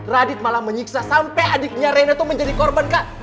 radit malah menyiksa sampai adiknya rena itu menjadi korban kak